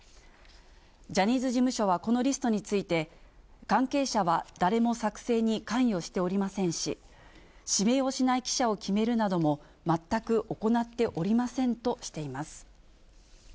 ジャニーズ事務所はこのリストについて、関係者は誰も作成に関与しておりませんし、指名をしない記者を決めるなども全く行っておりませんとしています。